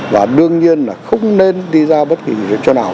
và đương nhiên là không nên đi ra bất kỳ chỗ nào